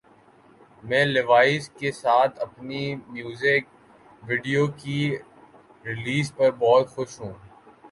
میں لیوائز کے ساتھ اپنی میوزک ویڈیو کی ریلیز پر بہت خوش ہوں